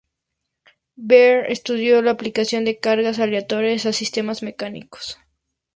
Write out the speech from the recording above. Beer estudió la aplicación de cargas aleatorias a sistemas mecánicos.